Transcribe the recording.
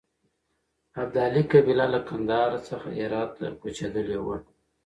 ابدالي قبیله له کندهار څخه هرات ته کوچېدلې وه.